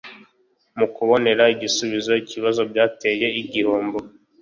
mu kubonera ibisubizo ibibazo byateye igihombo